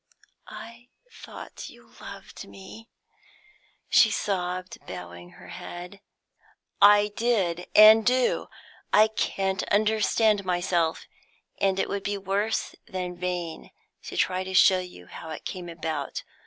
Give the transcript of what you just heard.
"I thought you loved me," she sobbed, bowing her head. "I did and I do. I can't understand myself, and it would be worse than vain to try to show you how it came about.